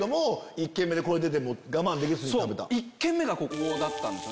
１軒目がここだったんですよ。